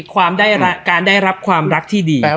การได้รับความรักที่ดี